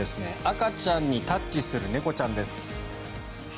赤ちゃんにタッチする猫ちゃんです。